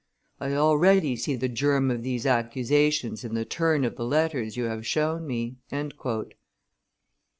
I already see the germ of these accusations in the turn of the letters you have shown me."